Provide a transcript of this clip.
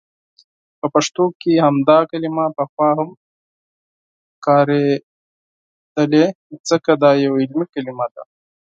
په پښتو کې همدا کلمه پخوا هم کاریدلي، ځکه دا یو علمي کلمه ده.